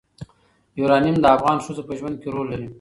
یورانیم د افغان ښځو په ژوند کې رول لري.